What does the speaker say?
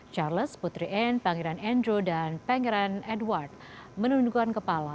charles putri anne pangeran andrew dan pangeran edward menurunkan kepala